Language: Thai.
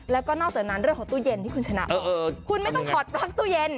แล้วก็นอกจากนั้นเรื่องของตู้เย็นที่คุณชนะคุณไม่ต้องถอดปลั๊กตู้เย็น